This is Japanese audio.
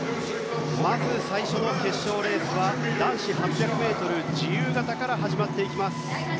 まず最初の決勝レースは男子８００ｍ自由形から始まっていきます。